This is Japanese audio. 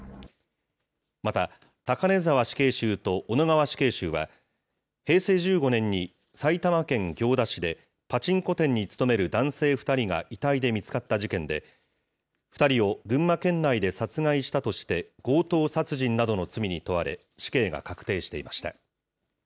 また、高根沢死刑囚と、小野川死刑囚は、平成１５年に埼玉県行田市で、パチンコ店に勤める男性２人が遺体で見つかった事件で、２人を群馬県内で殺害したとして、強盗殺人などの罪に問われ、死刑が確定していました。